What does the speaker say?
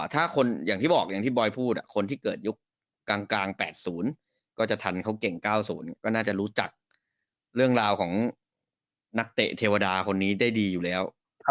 ถ้าคนอย่างที่บอกอย่างที่บอยพูดคนที่เกิดยุคกลาง๘๐ก็จะทันเขาเก่ง๙๐ก็น่าจะรู้จักเรื่องราวของนักเตะเทวดาคนนี้ได้ดีอยู่แล้ว